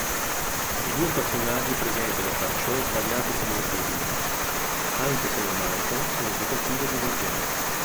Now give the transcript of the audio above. I due personaggi presentano perciò svariate similitudini, anche se non mancano significative divergenze.